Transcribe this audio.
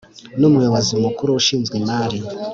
N umuyobozi mukuru ushinzwe imari